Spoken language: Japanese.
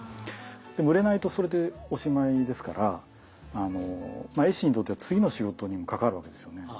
でも売れないとそれでおしまいですからまあ絵師にとっては次の仕事にも関わるわけですよね。